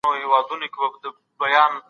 هغوی د تورو چای په څښلو بوخت دي.